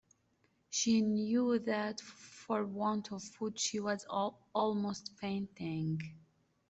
She knew that for want of food she was almost fainting.